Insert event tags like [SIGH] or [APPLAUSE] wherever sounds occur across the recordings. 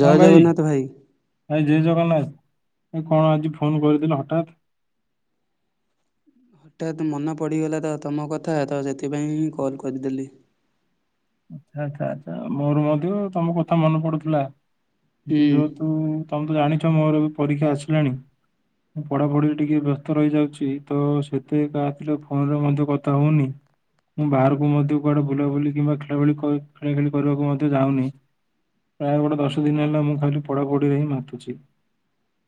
ଜୟ ଜଗନ୍ନାଥ ଭାଇ। ଭାଇ ଜୟ ଜଗନ୍ନାଥ ଆ କଣ ଆଜି ଫୋନ୍ କରିଦେଲ ହଠାତ୍। ହଠାତ୍ ମନେ ପଡ଼ିଗଲା ତ ତମ କଥା ତ ସେଥିପାଇଁ ହିଁ କଲ୍ କରିଦେଲି। ଆଚ୍ଛା ଆଚ୍ଛା ମୋର ମଧ୍ୟ ତମ କଥା ମନେ ପଡୁଥିଲା। ହୁଁ କିନ୍ତୁ ଯେହେତୁ ତମେ ତ ଜାଣିଛ ମୋର ବି ପରୀକ୍ଷା ଆସିଲାଣି। ପଢାପଢିବି ଟିକେ ବ୍ୟସ୍ତ ରହିଯାଉଛି ତ ସେଥି ପାଇଁ କାହା ଥିଲେ ଫୋନରେ ମଧ୍ୟ କଥା ହଉନି। ମୁଁ ବାହାରକୁ ମଧ୍ୟ କୁଆଡେ ବୁଲାବୁଲି କିମ୍ବା ଖେଳ ଖେଳା ଖେଳି କରିବାକୁ ମଧ୍ୟ ଯାଉନି। ପ୍ରାୟ ଗୋଟେ ଦଶ ଦିନ ହେଲା ମୁଁ ଖାଲି ପଢାପଢିରେ ହିଁ ମାତୁଚି।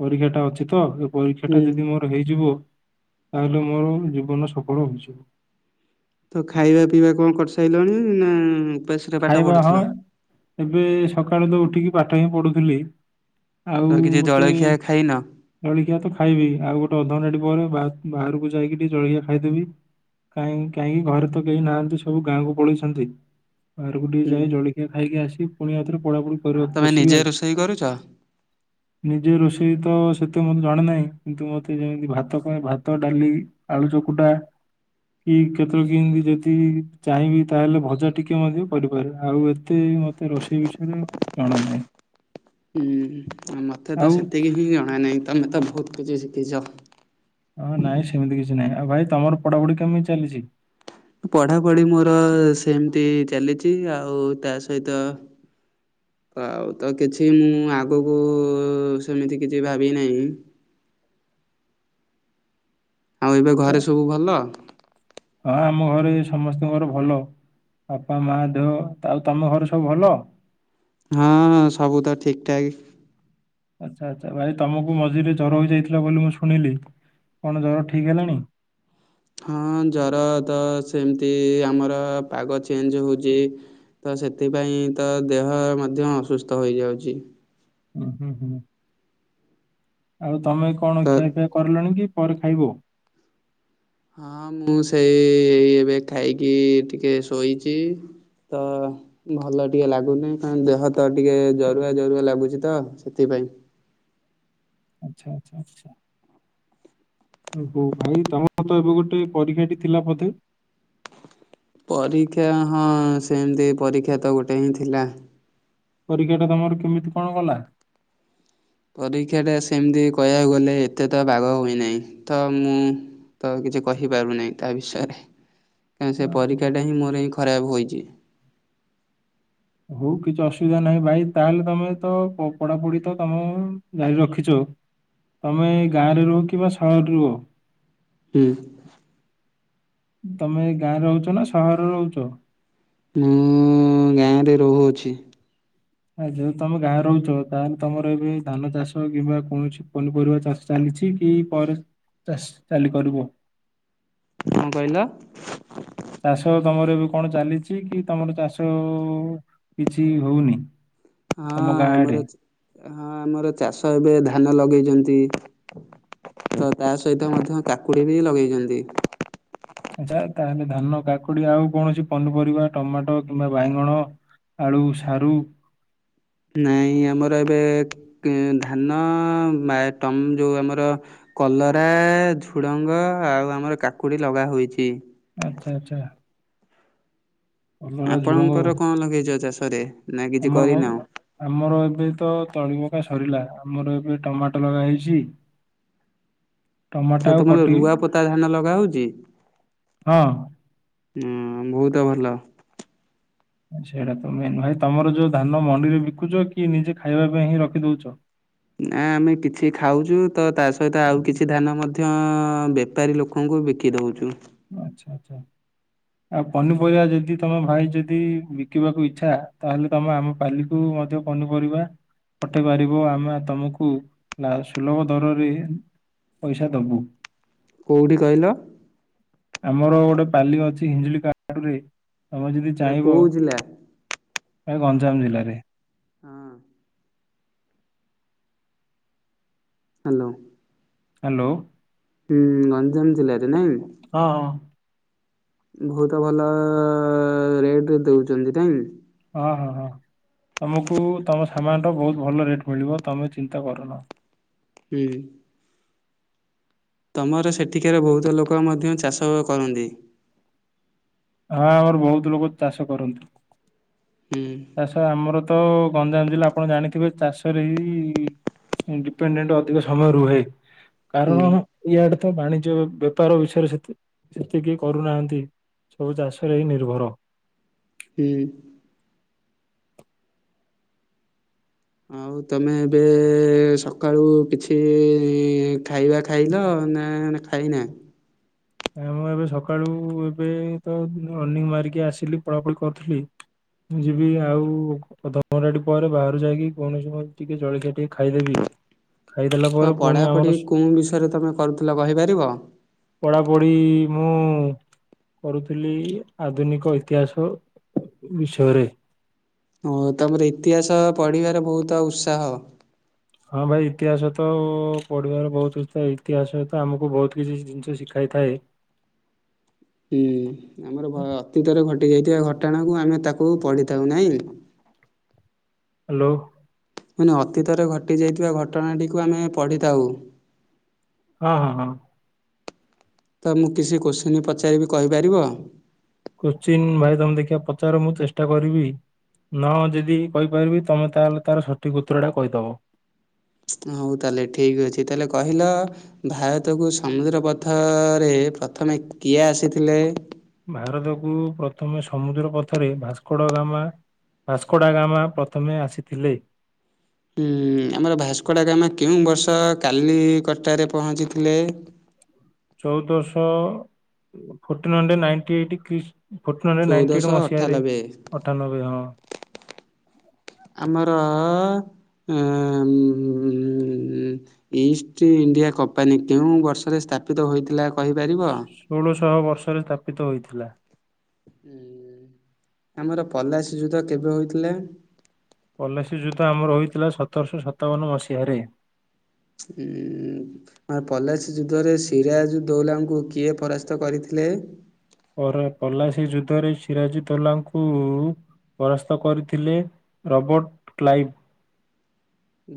ପରୀକ୍ଷା ଟା ଅଛି ତ ପରୀକ୍ଷାଟା ହୁଁ। ଯଦି ମୋର ହେଇଯିବ। ତାହେଲେ ମୋର ଜୀବନ ସଫଳ ହୋଇଯିବ। ତ ଖାଇବା ପିଇବା କଣ କରିସାରିଲଣି? ନା ଉପାସ ଖାଇବା ହଁ। ଏବେ ସକାଳୁ ତ ଉଠିକି ପାଠ ହିଁ ପଢୁଥିଲି। ତ ଆଉ କିଛି ଗୋଟେ ଜଳଖିଆ ଖାଇନ? ଜଳଖିଆ ତ ଖାଇବି ଆଉ ଗୋଟେ [UNINTELLIGIBLE] ପରେ ବାହା ବାହାରକୁ ଯାଇକି ଟିକେ ଜଳଖିଆ ଖାଇଦେବି। କାହିଁକି କାହିଁକି ଘରେ ତ କେହି ନାହାନ୍ତି। ସବୁ ଗାଁକୁ ପଳେଇଛନ୍ତି। ବାହାରକୁ ଟିକେ ହୁଁ ଯାଇ ଜଳଖିଆ ଖାଇକି ଆସି ପୁଣି ଆଉଥରେ ପଢା ପଢି କରିବାକୁ ତମେ ବସିବି ନିଜେ ଆଉ। ରୋଷେଇ କରୁଛ? ନିଜେ ରୋଷେଇ ତ ସେତେ ମୋତେ ଜଣା ନାହିଁ କିନ୍ତୁ ମୋତେ ଯେମିତି ଭାତ ପାଇଁ ଭାତ ଡାଲି ଆଳୁ ଚକୁଟା କି କେତେବେଳେ କେମତି ଯଦି ଚାହିଁବି ତାହେଲେ ଭଜା ଟିକେ ମଧ୍ୟ କରିପାରିବି ଆଉ ଏତେ ମୋତେ ରୋଷେଇ ବିଷୟରେ ଜଣା ନାହିଁ। ହୁଁ ମତେ ତ ଆଉ ସେତିକି ହିଁ ଜଣାନାହିଁ ତମେ ତ ବହୁତ କିଛି ଶିଖିଚ। ହଁ ନାଇଁ ସେମିତି କିଛି ନାହିଁ ଆଉ ଭାଇ ତମର ପଢାପଢି କେମିତି ଚାଲିଚି? ପଢ଼ାପଢି ମୋର ସେମିତି ଚାଲିଚି ଆଉ ତା ସହିତ ଆଉ ତ କିଛି ମୁଁ ଆଗକୁ ସେମିତି କିଛି ଭାବି ନାହିଁ। ଆଉ ଏବେ ଚା ଘରେ ସବୁ ଭଲ? ହଁ ଆମ ଘରେ ସମସ୍ତଙ୍କର ଭଲ। ବାପା ମା ଦେହ ଆଉ ତମ ଘର ସବୁ ଭଲ? ହଁ ହଁ ସବୁ ତ ଠିକଠାକ। ଆଚ୍ଛା ଆଚ୍ଛା ଭାଇ ତମକୁ ମଝିରେ ଜ୍ୱର ହେଇଯାଇଥିଲା। ବୋଲି ମୁଁ ଶୁଣିଲି କଣ ଜର ଠିକ୍ ହେଲାଣି। ହଁ ଜର ତ ସେମିତି ଆମର ପାଗ ଚେଞ୍ଜ ହୋଉଚି ତ ସେଥିପାଇଁ ତ ଦେହ ମଧ୍ୟ ଅସୁସ୍ଥ ହୋଇଯାଉଚି। ହୁଁ ହୁଁ ହୁଁ ଆଉ ତମେ କଣ ତ ଖିଆଫିଆ କରିଲଣି କି ପରେ ଖାଇବୋ। ହଁ ମୁଁ ସେଇ ଏବେ ଖାଇକି ଟିକେ ଶୋଇଚି। ତ ଭଲ ଟିକେ ଲାଗୁନି କ ଦେହ ତ ଟିକେ ଜରୁଆ ଜରୁଆ ଲାଗୁଛି ତ ସେଥିପାଇଁ। ଆଚ୍ଛା ଆଚ୍ଛା ଆଚ୍ଛା। ହୋ ଭାଇ ତମର ତ ଏବେ ଗୋଟେ ପରୀକ୍ଷାଟି ଥିଲା ବଧେ? ପରୀକ୍ଷା ହଁ ସେମିତି ପରୀକ୍ଷା ତ ଗୋଟେ ହିଁ ଥିଲା। ପରୀକ୍ଷା ଟା ତମର କେମିତି କଣ ଗଲା? ପରୀକ୍ଷାଟା ସେମିତି କହିବାକୁ ଗଲେ ଏତେ ତ ବାଗ ହୋଇନାହିଁ। ତ ମୁଁ ତ କିଛି କହିପାରୁନାହିଁ ତା ବିଷୟରେ କାର ସେ ଓହୋ। ପରୀକ୍ଷା ଟା ହିଁ ମୋର ହିଁ ଖରାପ ହୋଇଛି। ହଉ କିଛି ଅସୁବିଧା ନାହିଁ ଭାଇ ତାହେଲେ ତମେ ତ ପଢାପଢି ତ ତମେ ଜାରି ରଖିଛ। ତମେ ଗାଁରେ ରୁହ କିମ୍ବା ସହରରେ ରୁହ। ହୁଁ। ତମେ ଗାଁରେ ରହୁଛ ନା ସହରରେ ରହୁଛ? ମୁଁ ଗାଁରେ ରହୁଅଛି। ଆ ଯଦି ତମେ ଗାଁ ରହୁଛ ତାହେଲେ ତମର ଏବେ ଧାନ ଚାଷ କିମ୍ବା କୌଣସି ପନିପରିବା ଚାଷ। ଚାଲିଛି କି ପରେ ଚାଷ ଚାଲି କରିବ। କଣ କହିଲ? ଚାଷ ତମର ଏବେ କଣ ଚାଲିଛି କି ତମର ଚାଷ? କିଛି ହଉନି। ହଁ ତମ ଗାଁ ଆମର ଆଡେ ହଁ ଆମର ଚାଷ ଏବେ ଧାନ ଲଗେଇଛନ୍ତି। ତ ତା ସହିତ ମଧ୍ୟ କାକୁଡି ବି ଲଗେଇଛନ୍ତି। ଆଚଛା ତାହେଲେ ଧାନ କାକୁଡି ଆଉ କୌଣସି ପନିପରିବା ଟମାଟୋ କିମ୍ବା ବାଇଗଣ। ଆଳୁ ସାରୁ। ନାଇଁ ଆମର ଏବେ ଧାନମ ଯୋଉ ଆମର। କଲରା ଝୁଡ଼ଙ୍ଗ ଆଉ ଆମର କାକୁଡ଼ି ଲଗା ହୋଇଚି। ଆଚ୍ଛା ଆଚ୍ଛା। କଲରା ଆପଣଙ୍କର କଣ ଲଗେଇଚ ଚାଷରେ? ନା କିଛି ଅମର [UNINTELLIGIBLE] କରିନାହୁଁ? ଆମର ଏବେ ତ ତଳି ପକା ସରିଲା ଆମର ଏବେ ଟମାଟ ଲଗା ହେଇଛି। ଟମାଟୋ ତ ଆଉ ତମର କଟି ରୁଆ ପୋତା ଧାନ ଲଗା ହଉଚି। ହଁ ଉଁ ବହୁତ ଭଲ। ଆଚ୍ଛା ସେଇଟା ତ ମେନ୍ ଭାଇ ତମର ଯୋଉ ଧାନ ମଣ୍ଡିରେ ବିକୁଚ କି ନିଜେ ଖାଇବା ପାଇଁ ହିଁ ରଖି ଦଉଚ? ନା ଆମେ କିଛି ଖାଉଚୁ ତ ତା ସହିତ ଆଉ କିଛି ଧାନ ମଧ୍ୟ ବେପ୍ ବେପାରୀ ଲୋକଙ୍କୁ ବିକି ଦଉଚୁ। ଆଚ୍ଛା ଆଚ୍ଛା।। ଆଉ ପନିପରିବା ଯଦି ତମେ ଭାଇ ଯଦି ବିକିବାକୁ ଇଚ୍ଛା ତାହେଲେ ତମେ ଆମ ପାଲି କୁ ମଧ୍ୟ ପନିପରିବା ପଠେଇ ପାରିବ ଆମେ ତମକୁ ଲା ସୁଲଭ ଦରରେ ପଇସା ଦବୁ। କଉଠି‌ କହିଲ? ଆମର ଗୋଟେ ପାଲି ଅଛି ହିଞ୍ଜୁଳି କାଡୁରେ ତମେ ଯଦି ସେଟା ଚାହିଁବ କୋଉ ଜିଲ୍ଲା? ଏ ଗଞ୍ଜାମ ଜିଲ୍ଲାରେ। ହଁ। ହ୍ୟାଲୋ। ହ୍ୟାଲୋ। ହୁଁ ଗଞ୍ଜାମ ଜିଲ୍ଲାରେ ନାଇଁ। ହଁ ହଁ‌। ବହୁତ ଭଲ ରେଟ୍ଞ ଦଉଛନ୍ତି ତାଇଁ। ହଁ ହଁ ହଁ ତମକୁ ତମ ସାମାନର ବହୁତ ଭଲ ରେଟ୍ ମିଳିବ ତମେ ଚିନ୍ତା କରନା। ହୁଁ। ତମର ସେଠିକାର ବହୁତ ଲୋକ ମଧ୍ୟ ଚାଷ କରନ୍ତି। ହଁ ଆମର ବହୁତ ଲୋକ ଚାଷ କରନ୍ତି। ହୁଁ। ଚାଷ ଆମର ତ ଗଞ୍ଜାମ ଜିଲ୍ଲା ଆପଣ ଜାଣିଥିବେ ଚାଷରେ ହିଁ। ମୁଁ ଡିପେଣ୍ଡେଣ୍ଟ ଅଧିକ ସମୟ ରୁହେ ହୁଁ କାରଣ ଇଆଡେ ତ ବାଣିଜ୍ୟ ବେ ବେପାର ବିଷୟରେ ସେତେ ସେତେ କେହି କରୁନାହାନ୍ତି। ସବୁ ଚାଷରେ ହିଁ ନିର୍ଭର। ହୁଁ। ଆଉ ତମେ ଏବେ ସକାଳୁ କିଛି ଖାଇବା ଖାଇଲ ନା ଖାଇନା? ନା ମୁଁ ଏବେ ସକାଳୁ ଏବେ ତ ଅରନିଂ ମାରିକି ଆସିଲି ପଢା ପଢ଼ି କରୁଥିଲି ମୁଁ ଯିବି ଆଉ ଅଧଘଣ୍ଟାଟେ ପରେ ବାହାରୁ ଯାଇକି କୌଣସି ପ୍ରକାର ଟିକେ ଜଳଖିଆ ଟିକେ ଖାଇଦେବି। ଖାଇଦେଲା ତ ପରେ ପୁଣି ପଢ଼ାପଢ଼ି ଆମର କଉଁ ବିଷୟରେ ତମେ କରୁଥିଲ କହିପାରିବ? ପଢ଼ାପଢ଼ି ମୁଁ କରୁଥିଲି ଆଧୁନିକ ଇତିହାସ ବିଷୟରେ। ହଁ ତମର ଇତିହାସ ପଢିବାରେ ବହୁତ ଉତ୍ସାହ? ହଁ ଭାଇ ଇତିହାସ ତ ପଢ଼ିବାର ବହୁତ କଥା ଇତିହାସ ତ ଆମକୁ ବହୁତ କିଛି ଜିନିଷ ଶିଖାଇଥାଏ। ହୁଁ ଆମର ଭ ଅତୀତରେ ଘଟିଯାଇଥିବା ଘଟଣାକୁ ଆମେ ତାକୁ ପଢ଼ିଥାଉ ନାହିଁ? ହ୍ୟାଲୋ। ମୁଁ ଅତୀତରେ ଘଟିଯାଇଥିବା ଘଟଣାଟିକୁ ଆମେ ପଢ଼ିଥାଉ। ହଁ ହଁ ହଁ। ତ ମୁଁ କିଛି କୋଶ୍ଚିନ୍ ପଚାରିବି କହିପାରିବ? କୋଶ୍ଚିିନ ଭାଇ ତମେ ଦେଖିବା ପଚାର ମୁଁ ଚେଷ୍ଟା କରିବି। ନ ଯଦି କହିପାରିବି ତମେ ତାହେଲେ ତାର ସଠିକ୍ ଉତ୍ତରଟା କହିଦବ। ହଉ ତାହେଲେ ଠିକ୍ ଅଛି ତାହେଲେ କହିଲ ଭାରତକୁ ସମୁଦ୍ର ପଥରେ ପ୍ରଥମେ କିଏ ଆସିଥିଲେ? ଭାରତକୁ ପ୍ରଥମେ ସମୁଦ୍ର ପଥରେ ଭାସ୍କୋଡ଼ା ଗାମା ଭାସ୍କୋଡ଼ା ଗାମା ପ୍ରଥମେ ଆସିଥିଲେ। ହଁ ଆମର ଭାସ୍କୋଡ଼ା ଗାମା କେଉଁ ବର୍ଷ କାଲି କଟାରେ ପହଞ୍ଚିଥିଲେ? ଚଉଦଶହ ଫର୍ଟିନ ହଣ୍ଡ୍ରେଡ ନାଇଟି ଏଇଟି କ୍ରିସ୍ ଫର୍ଟିନ୍ ହଣ୍ଡ୍ରେଡ ନାଇଟିଡ୍ ଚଉଦଶହ ମସିହାରେ ଅଠାଲବେ ଅଠାନବେ ହଁ। ଆମର ଅଁ, ଉଁ, ହୁଁ, ଏତ୍ ଇଷ୍ଟ୍ ଇଣ୍ଡିଆ କମ୍ପାନୀ କେଉଁ ବର୍ଷରେ ସ୍ଥାପିତ ହୋଇଥିଲା କହିପାରିବ? ଷୋଳଶହ ବର୍ଷରେ ସ୍ଥାପିତ ହୋଇଥିଲା। ଆମର ପଲାସି ଯୁଦ୍ଧ କେବେ ହୋଇଥିଲା? ପଲାସି ଯୁଦ୍ଧ ଆମର ହୋଇଥିଲା ସତରଶହ ସତାବନ ମସିହାରେ। ଉଁ, ମା ପଲାସି ଯୁଦ୍ଧରେ ସିରାଜ୍ ଉଦ୍ ଦୌଲାଲାଙ୍କୁ କିଏ ପରାସ୍ତ କରିଥିଲେ? ପରେ ପଲା ସେ ଯୁଦ୍ଧରେ ସିରାଜ୍ ଉଦ୍ ଦୌଲା ଙ୍କୁ ପରାସ୍ତ କରିଥିଲେ ରବର୍ଟ କ୍ଲାଇଭ।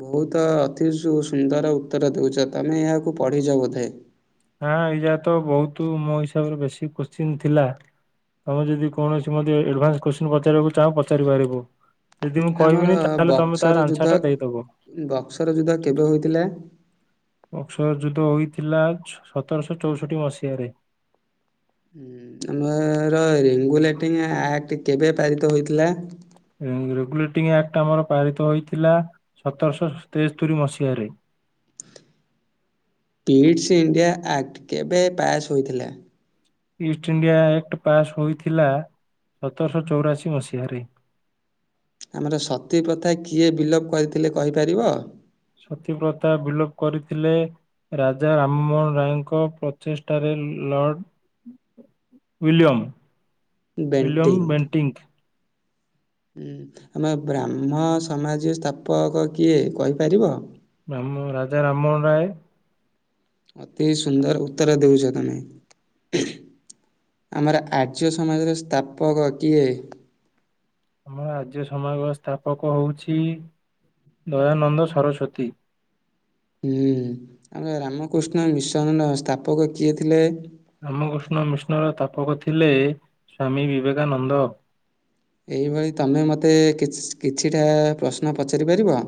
ବହୁତ ଅତି ସୁ ସୁନ୍ଦର ଉତ୍ତର ଦେଉଛ ତମେ ଏହାକୁ ପଢ଼ିଛ ବୋଧେ? ନା ଏଇଯା ତ ବହୁତ ମୋ ହିସାବରେ ବେଶିକ୍ କୋଶ୍ଚିନ୍ ଥିଲା। ତମେ ଯଦି କୌଣସି ଏଡଭାନ୍ସ କୋଶ୍ଚିନ୍ ପଚାରିବାକୁ ଚାହୁଁ ପଚାରି ପାରିବ। ଯଦି ମୁଁ ଆମର କହିବିନି ତାହେଲେ ତମେ ବକ୍ସର ତାର ଯୁଦ୍ଧ ଆନ୍ସର ଟା ଦେଇଦବ। ବକ୍ସର ଯୁଦ୍ଧ କେବେ ହୋଇଥିଲା? ବକ୍ସର ଯୁଦ୍ଧ ହୋଇଥିଲା ସତରଶହ ଚଉଷଠି ମସିହାରେ। ଆମର ରେଙ୍ଗୁଲେଟିଂ ଆକ୍ଟ କେବେ ପାରିତ ହୋଇ? ରେ-ରେଗୁଲେଟିଂ ଆକ୍ଟ ଆମର ପାରିତ ହୋଇଥିଲା ସତରଶହ ତେସ୍ତରି ମସିହାରେ। ପିଟ୍ସ୍ ଇଣ୍ଡିଆ ଆକ୍ଟ କେବେ ପାସ୍ ହୋଇଥିଲା? ଇଷ୍ଟ ଇଣ୍ଡିଆ ଆକ୍ଟ ପାସ୍ ହୋଇଥିଲା ସତରଶହ ଚଉରାଅଶୀ ମସିହାରେ। ଆମର ସତୀ ପ୍ରଥା କିଏ ବିଲୋପ କରିଥିଲେ କହିପାରିବ। ସତୀ ପ୍ରଥା ବିଲୋପ କରିଥିଲେ। ରାଜା ରାମମୋହନ ରାୟଙ୍କ ପ୍ରଚେଷ୍ଟାରେ ଲର୍ଡ। William William ବେଣ୍ଟିଙ୍କ। ହୁଁ ଆମ ବ୍ରାହ୍ମ ସମାଜ ର ସ୍ଥାପକ କିଏ କହିପାରିବ? ରାମ ରାଜା ରାମମୋହନ ରାୟ। ଅତି ସୁନ୍ଦର ଉତ୍ତର ଦେଉଛ ତମେ। ଆମର ଆର୍ଯ୍ୟ ସମାଜର ସ୍ଥାପକ କିଏ? ଆମ ଆର୍ଯ୍ୟ ସମାଜ ର ସ୍ଥାପକ ହଉଛି ଦୟାନନ୍ଦ ସରସ୍ୱତୀ। ହୁଁ ଆମ ରାମକୃଷ୍ଣ ମିଶନ ର ସ୍ଥାପକ କିଏ ଥିଲେ। ରାମକୃଷ୍ଣ ମିଷ୍ଣର ସ୍ଥାପକ ଥିଲେ ସ୍ଵାମୀ ବିବେକାନନ୍ଦ। ଏଇଭଳି ତମେ ମୋତେ କିଛିଛ୍ କିଛିଟା ପ୍ରଶ୍ନ ପଚାରି ପାରିବ।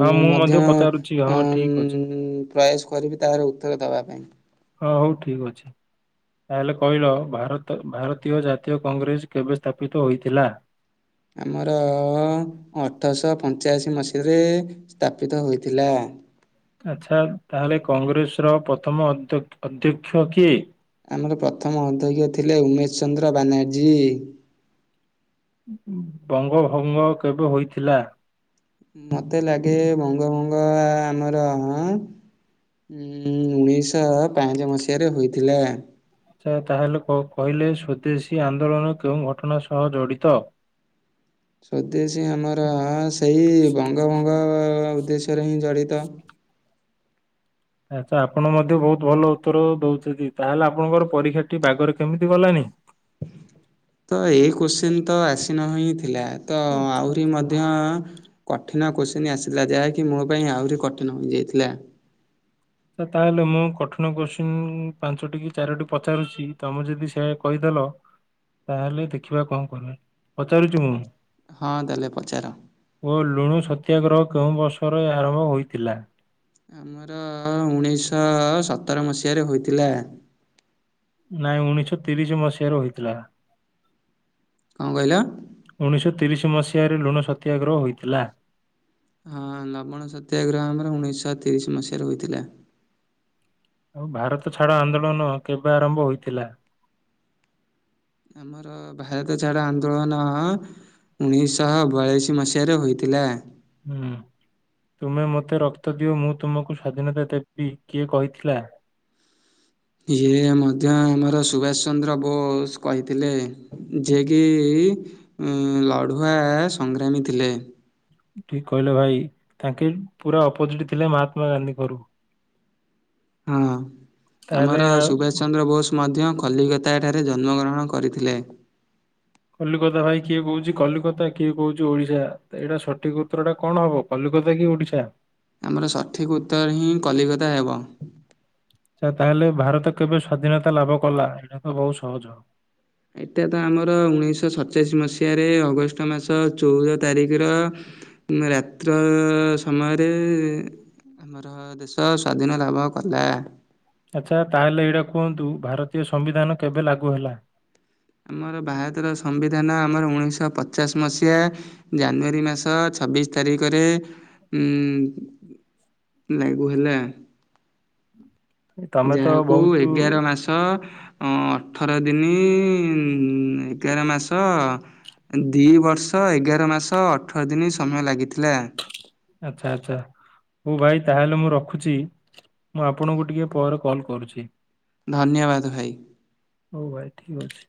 ହଁ ମଧ୍ୟ ଆଁ ପଚାରୁଛି ହଁ ଠିକ ଅଛି ଉଁ ପ୍ରୟାସ କରିବି ତାର ଉତ୍ତର ଦବା ପାଇଁ। ହଁ ହଉ ଠିକ ଅଛି। ତାହେଲେ କହିଲ ଭାରତ ଭାରତୀୟ ଜାତୀୟ କଂଗ୍ରେସ କେବେ ସ୍ଥାପିତ ହୋଇଥିଲା। ଆମର ଅଠରଶହ ପଞ୍ଚାଅଶୀ ମସିହାରେ ସ୍ଥାପିତ ହୋଇଥିଲା। ଆଚ୍ଛା ତାହେଲେ କଂଗ୍ରେସର ପ୍ରଥମ ଅଧ୍ୟ ଅଧ୍ୟକ୍ଷ କିଏ। ଆମର ପ୍ରଥମ ଅଧ୍ୟକ୍ଷ ଥିଲେ ଉମେଶ ଚନ୍ଦ୍ର ବାନାର୍ଜୀ। ବଙ୍ଗ ଭଙ୍ଗ କେବେ ହୋଇଥିଲା। ମତେ ଲାଗେ ଭଙ୍ଗ ଭଙ୍ଗ ଆମର ଆଁ। ଉଁ ଉଣେଇଶହ ପାଞ୍ଚ ମସିହାରେ ହୋଇଥିଲା। ଆଛା ତାହେଲେ କ କହିଲେ ସ୍ଵଦେଶୀ ଆନ୍ଦୋଳନ କେଉଁ ଘଟଣା ସହ ଜଡିତ। ସ୍ୱଦେଶୀ ଆମର ସେଇ ବଙ୍ଗଭଙ୍ଗ ଉଦ୍ଦେଶ୍ୟରେ ହିଁ ଜଡିତ। ଆଚ୍ଛା ଆପଣ ମଧ୍ୟ ବହୁତ ଭଲ ଉତ୍ତର ଦେଉଛନ୍ତି ତାହେଲେ ଆପଣଙ୍କର ପରୀକ୍ଷାଟି ବାଗରେ କେମିତି ଗଲାନି। ତ ଏଇ କୋଶ୍ଚିନ ତ ଆସି ନ ହିଁ ଥିଲା ତ ଆଚ୍ଛା ଆହୁରି ଆଚ୍ଛା ମଧ୍ୟ। କଠିନ କୋଶ୍ଚିନ୍ ଆସିଲା ଯାହାକି ମୋ ପାଇଁ ଆହୁରି କଠିନ ହୋଇ ଯାଇଥିଲା। ଆଛା ତାହେଲେ ମୁଁ କଠିନ କୋଶ୍ଚିନ ପାଞ୍ଚଟି କି ଚାରୋଟି ପଚାରୁଛି ତମେ ଯଦି ସେ କହିଦେଲ। ତାହେଲେ ଦେଖିବା କଣ କରିବା ପଚାରୁଛି ମୁଁ। ହଁ ତା ହେଲେ ପଚାର। ଓ ଲୁଣ ସତ୍ୟାଗ୍ରହ କେଉଁ ବର୍ଷରେ ଆରମ୍ଭ ହୋଇଥିଲା। ଆମର ଉଣେଇଶହ ସତର ମସିହାରେ ହୋଇଥିଲା। ନାଇଁ ଉଣେଇଶ ତିରିଶ ମସିହାରେ ହୋଇଥିଲା। କଁ କହିଲ। ଉଣେଇଶହ ତିରିଶ ମସିହାରେ ଲୁଣ ସତ୍ୟାଗ୍ରହ ହୋଇଥିଲା। ହଁ ଲବଣ ସତ୍ୟାଗ୍ରହ ଆମର ଉଣେଇଶହ ତିରିଶି ମସିହାରେ ହୋଇଥିଲା। ଆଉ ଭାରତ ଛାଡ ଆନ୍ଦୋଳନ କେବେ ଆରମ୍ଭ ହୋଇଥିଲା। ଆମର ଭାରତ ଛାଡ ଆନ୍ଦୋଳନ। ଉଣେଇଶହ ବୟାଳିଶ ମସିହାରେ ହୋଇଥିଲା। ହୁଁ ତୁମେ ମୋତେ ରକ୍ତ ଦିଅ ମୁଁ ତୁମକୁ ସ୍ଵାଧୀନତା ଦେବି କିଏ କହିଥିଲା। ଇଏ ମଧ୍ୟ ଆମର ସୁଭାଷ ଚନ୍ଦ୍ର ବୋଷ କହିଥିଲେ। ଯିଏକି ଉଁ ଲଢୁଆ ସଂଗ୍ରାମୀ ଥିଲେ। ଠିକ୍ କହିଲ ଭାଇ ତାଙ୍କେ ପୁରା ଅପୋଜିଟ ଥିଲେ ମହାତ୍ମା ଗାନ୍ଧୀଙ୍କରୁ। ହଁ ତାହେଲେ ଆମର ଆଉ ସୁଭାଷ ଚନ୍ଦ୍ର ବୋଷ। ମଧ୍ୟ କଲିକତା ଠାରେ ଜନ୍ମ ଗ୍ରହଣ କରିଥିଲେ। କଲିକତା ଭାଇ କିଏ କହୁଛି କଲିକତା କିଏ କହୁଛି ଓଡ଼ିଶା ତ ଏଇଟା ସଠିକ ଉତ୍ତରଟା କଣ ହବ। କଲିକତା କି ଓଡ଼ିଶା। ଆମର ସଠିକ ଉତ୍ତର ହିଁ କଲିକତା ହେବ। ଆଚ୍ଛା ତାହେଲେ ଭାରତ କେବେ ସ୍ଵାଧୀନତା ଲାଭ କଲା ଏଇଟା ତ ବହୁତ ସହଜ। ଏଇଟା ତ ଆମର ଉଣେଇଶହ ସଡଚାଳିଶି ମସିହାରେ ଅଗଷ୍ଟ ମାସ ଚଉଦ ତାରିଖର। ରାତ୍ର ସମୟରେ। ଆମର ଦେଶ ସ୍ଵାଧୀନ ଲାଭ କଲା। ଆଚ୍ଛା ତାହେଲେ ଏଇଟା କୁହନ୍ତୁ ଭାରତୀୟ ସମ୍ବିଧାନ କେବେ ଲାଗୁ ହେଲା? ଆମର ଭାରତର ସମ୍ବିଧାନ ଆମର ଉଣେଇଶ ପଚାଶ୍ ମସିହା ଜାନୁଆରୀ ମାସ ଛବିଶ୍ ତାରିଖରେ ଉଁ ଲାଗୁ ହେଲା। ତମେ ତ ଯାହାକୁ ବହୁତୁ ଏଗାର ମାସ ଅଠର ଦିନି ଏଗାର ମାସ ଦି ବର୍ଷ ଏଗାର ମାସ ଅଠର ଦିନ ସମୟ ଲାଗିଥିଲା। ଆଚ୍ଛା- ଆଚ୍ଛା ହଉ ଭାଇ ତାହେଲେ ମୁଁ ରଖୁଚି। ମୁଁ ଆପଣଙ୍କୁ ଟିକେ ପରେ କଲ୍ କରୁଚି। ଧନ୍ୟବାଦ୍ ଭାଇ। ହଉ ଭାଇ ଠିକ୍ ଅଛି।